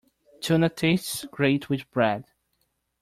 Tuna tastes great with bread.